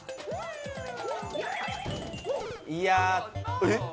いやあえっ？